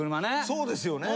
そうですよね。